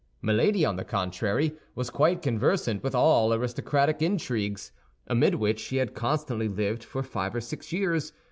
Milady, on the contrary, was quite conversant with all aristocratic intrigues, amid which she had constantly lived for five or six years.